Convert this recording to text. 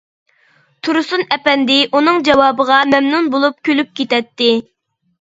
تۇرسۇن ئەپەندى ئۇنىڭ جاۋابىغا مەمنۇن بولۇپ كۈلۈپ كېتەتتى.